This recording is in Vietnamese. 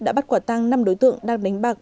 đã bắt quả tăng năm đối tượng đang đánh bạc